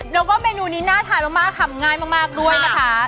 แล้วก็เมนูนี้น่าทานมากทำง่ายมากด้วยนะคะ